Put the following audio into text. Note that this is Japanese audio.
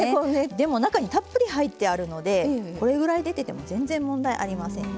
でも中にたっぷり入ってあるのでこれぐらい出てても全然問題ありませんよ。